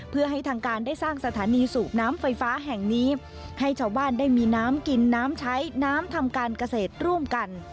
เพื่อให้ทางการได้สร้างสถานีสูบน้ำไฟฟ้าแห่งนี้ให้ชาวบ้านได้มีน้ำกินน้ำใช้น้ำทำการเกษตรร่วมกัน